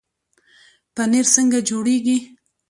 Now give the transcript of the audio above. پنیر څنګه جوړیږي؟